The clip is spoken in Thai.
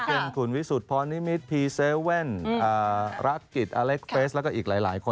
เป็นคุณวิสุทธิพรนิมิตรพีเซเว่นรักกิจอเล็กเฟสแล้วก็อีกหลายคน